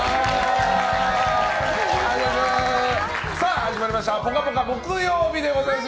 始まりました「ぽかぽか」木曜日でございます。